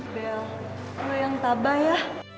bel kamu yang tabah ya